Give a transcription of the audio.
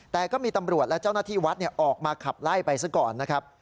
แต่ก็มีตำรวจและเจ้าหน้าที่วัดออกมาขับไล่ไปซะก่อนนะครับ